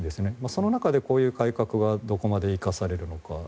その中でこういう改革がどこまで生かされるのか。